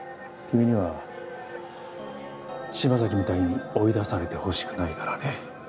君には島崎みたいに追い出されてほしくないからね。